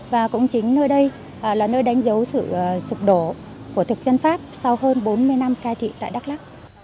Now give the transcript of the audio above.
và cũng chính nơi đây là nơi đánh dấu sự sụp đổ của thực dân pháp sau hơn bốn mươi năm cai trị tại đắk lắc